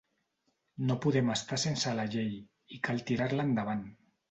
No podem estar sense la llei, i cal tirar-la endavant.